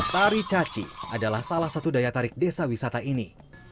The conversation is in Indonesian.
tari caci adalah salah satu daya tarik desa wisata ini